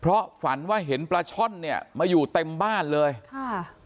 เพราะฝันว่าเห็นปลาช่อนเนี่ยมาอยู่เต็มบ้านเลยค่ะ